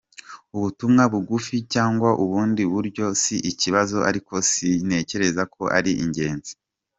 Ubutumwa bugufi cyangwa ubundi buryo si ikibazo ariko sintekereza ko ari ingenzi.